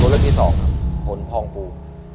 ตัวเลือดที่สองครับขนพองฟู